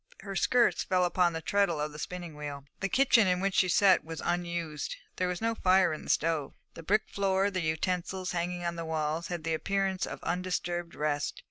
Her skirts fell upon the treadle of the spinning wheel. The kitchen in which she sat was unused; there was no fire in the stove. The brick floor, the utensils hanging on the walls, had the appearance of undisturbed rest.